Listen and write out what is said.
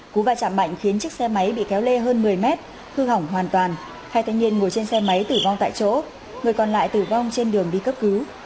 cú va chạm mạnh khiến chiếc xe máy bị kéo lê hơn một mươi mét hư hỏng hoàn toàn hai thanh niên ngồi trên xe máy tử vong tại chỗ người còn lại tử vong trên đường đi cấp cứu